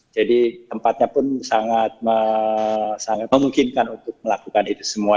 jadi tempatnya pun sangat memungkinkan untuk melakukan itu semua